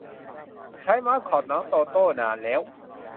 ใช้มาสคอต น้องโตโต้ นานแล้ว